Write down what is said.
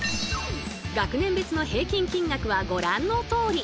学年別の平均金額はご覧のとおり！